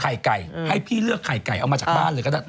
ไก่ให้พี่เลือกไข่ไก่เอามาจากบ้านเลยก็ได้